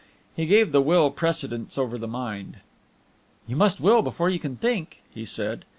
He gave the Will precedence over the Mind. "You must will before you can think," he said.